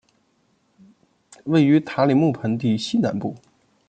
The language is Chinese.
位于塔里木盆地西南部。